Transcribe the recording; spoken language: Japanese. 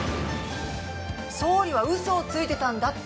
総理は嘘をついていたんだって。